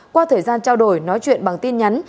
qua thời gian trao đổi nói chuyện bằng tin nhắn